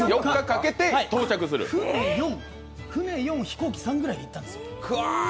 船４、飛行機３ぐらいで行ったんですよ。